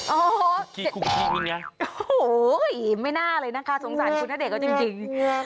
โอ้โหไม่น่าเลยนะคะสงสารคุณณเดชนเขาจริง